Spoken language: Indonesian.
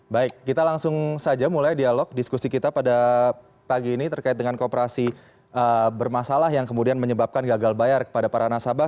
baik kita langsung saja mulai dialog diskusi kita pada pagi ini terkait dengan kooperasi bermasalah yang kemudian menyebabkan gagal bayar kepada para nasabah